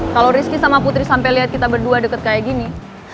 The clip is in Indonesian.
kalo rizky sama putri sampe liat kita berdua deket kayak gini